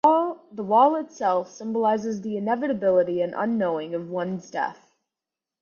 The Wall itself symbolises the inevitability and unknowing of one's death.